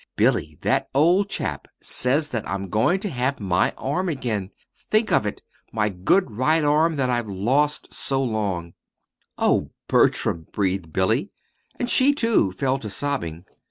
"Billy, that old chap says that I'm going to have my arm again. Think of it my good right arm that I've lost so long!" "Oh, Bertram!" breathed Billy. And she, too, fell to sobbing.